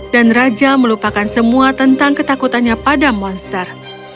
raja melupakan semua tentang ketakutannya pada monster